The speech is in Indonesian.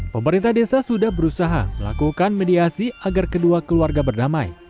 pemerintah desa sudah berusaha melakukan mediasi agar kedua keluarga berdamai